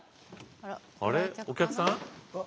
あれお客さん？